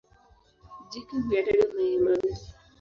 Jike huyataga mayai mawili.